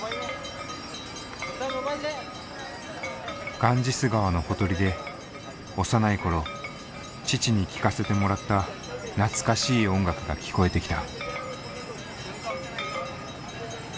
ガンジス川のほとりで幼い頃父に聴かせてもらった懐かしい音楽が聴こえてきた。